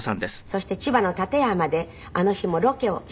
そして千葉の館山であの日もロケをしていらっしゃいました。